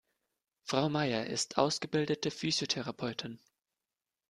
Frau Maier ist ausgebildete Physiotherapeutin.